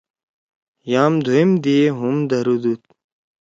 یام دُھویم دی ئے ہُم دھرُودُود۔